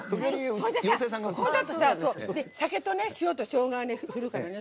それで酒と塩としょうがをふるからね。